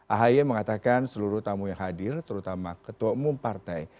ahy mengatakan seluruh tamu yang hadir terutama ketua umum partai